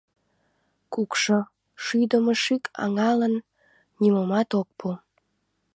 Кукшу, шӱйдымӧ шӱк аҥалан нимомат ок пу.